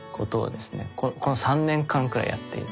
この３年間くらいやっていて。